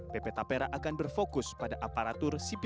pp tapera akan berfokus pada aparatur sipil